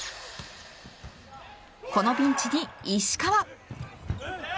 このピンチに石川。